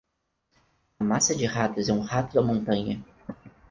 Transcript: A massa de ratos é um rato da montanha.